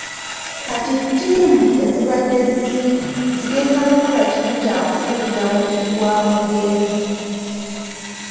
Kati ttiimu ezibadde ziziika zigenda kukola kimu kya kufuuyira mubiri gwa mugenzi.